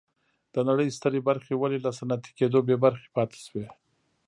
د نړۍ سترې برخې ولې له صنعتي کېدو بې برخې پاتې شوې.